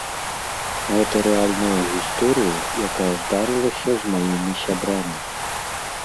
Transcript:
Гэта рэальная гісторыя, якая здарылася з маімі сябрамі.